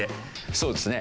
そうですね。